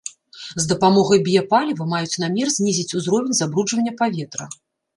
З дапамогай біяпаліва маюць намер знізіць узровень забруджвання паветра.